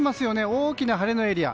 大きな晴れのエリア。